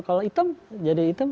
kalau hitam jadi hitam